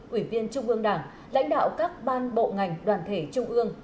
ủy viên trung ương đảng lãnh đạo các ban bộ ngành đoàn thể trung ương